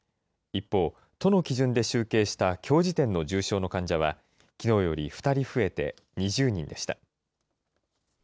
一方、都の基準で集計したきょう時点の重症の患者は、きのうより２人増えて２０人でした。